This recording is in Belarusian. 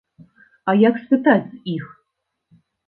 А як спытаць з іх?